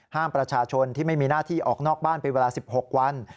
ห้ามประชาชนที่ไม่มีหน้าที่ออกนอกบ้านเป็นเวลา๑๖วัน